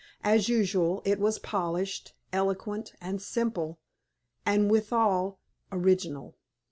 As usual, it was polished, eloquent, and simple, and withal original.